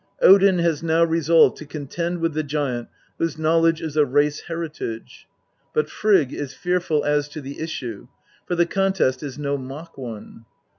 Odin has now resolved to contend with the giant whose knowledge is a race heritage ; but Frigg is fearful as to the issue, for the contest is no mock one.